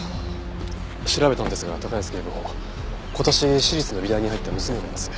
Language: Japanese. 調べたんですが高安警部補今年私立の美大に入った娘がいます。